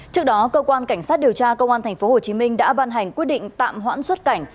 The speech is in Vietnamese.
trước đó cơ quan cảnh sát điều tra công an tp hcm đã ban hành quyết định tạm hoãn xuất cảnh